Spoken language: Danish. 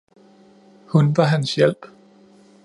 Hun var hans hjælp